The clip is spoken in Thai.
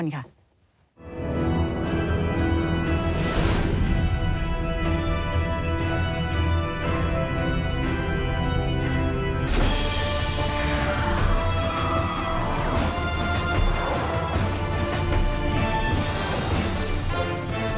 โปรดติดตามตอนต่อไป